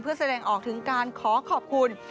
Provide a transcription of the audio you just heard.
เพื่อแสดงออกถึงการขอขอบคุณ